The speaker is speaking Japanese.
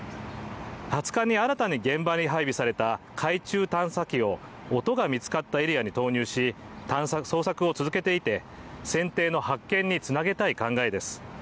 ２０日に新たに現場に配備された海中探査機を音が見つかったエリアに投入し、捜索を続けていて舟艇の発見につなげたい考えです。